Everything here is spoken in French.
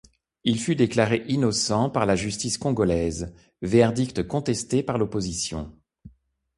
Il fut déclaré innocent par la Justice congolaise, verdict contesté par l'opposition.